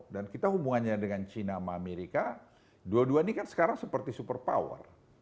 dan kita hubungannya dengan china sama amerika dua duanya ini kan sekarang seperti super power